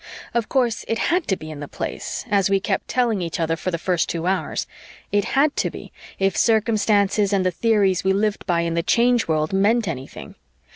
Of course it had to be in the Place, as we kept telling each other for the first two hours. It had to be, if circumstances and the theories we lived by in the Change World meant anything.